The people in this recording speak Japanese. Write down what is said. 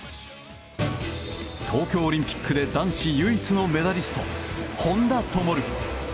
東京オリンピックで男子唯一のメダリスト本多灯。